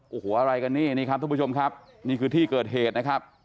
โอ้โหอะไรกันนี่นี่ครับทุกผู้ชมครับนี่คือที่เกิดเหตุนะครับ